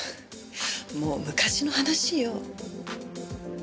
もう昔の話よ。